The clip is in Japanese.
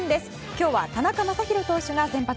今日は田中将大投手が先発。